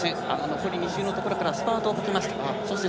残り２周のところからスパートをかけました。